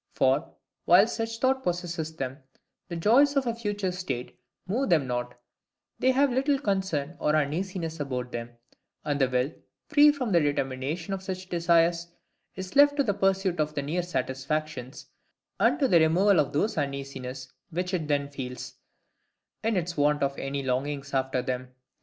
For, whilst such thoughts possess them, the joys of a future state move them not; they have little concern or uneasiness about them; and the will, free from the determination of such desires, is left to the pursuit of nearer satisfactions, and to the removal of those uneasinesses which it then feels, in its want of any longings after them.